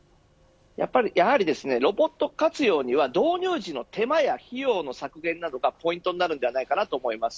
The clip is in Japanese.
やはりロボット活用には導入時の手間や費用の削減がポイントになると思います。